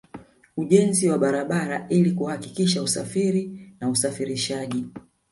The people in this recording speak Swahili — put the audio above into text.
Ujenzi wa barabara ili kurahisisha usafiri na usafirishaji